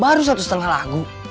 baru satu setengah lagu